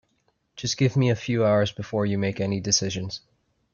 Just give me a few hours before you make any decisions.